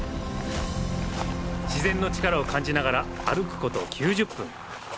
自然の力を感じながら歩くこと９０分。